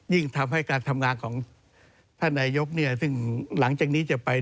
ยิ่งทำให้การทำงานของพระนายยกเนี่ย